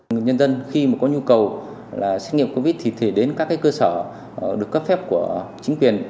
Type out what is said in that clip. người nhân dân khi mà có nhu cầu xét nghiệm covid thì thể đến các cơ sở được cấp phép của chính quyền